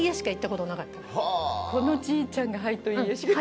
このちーちゃんが「はい」と「いいえ」しか。